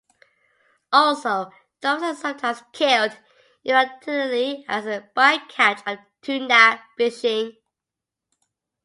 Also, dolphins are sometimes killed inadvertently as a bycatch of tuna fishing.